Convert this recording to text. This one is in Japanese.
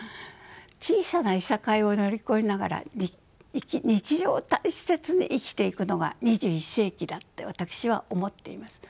小さないさかいを乗り越えながら日常を大切に生きていくのが２１世紀だって私は思っています。